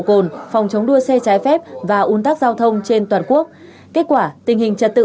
độ cồn phòng chống đua xe trái phép và un tắc giao thông trên toàn quốc kết quả tình hình trật tự